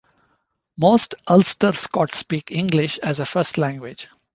Most Ulster Scots speak English as a first language.